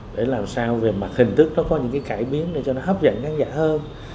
để làm sao về mặt hình thức nó có những cái cải biến để cho nó hấp dẫn khán giả hơn